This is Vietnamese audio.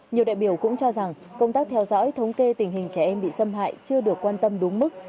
nhiều đại biểu cũng cho rằng công tác theo dõi thống kê tình hình trẻ em bị xâm hại chưa được quan tâm đúng mức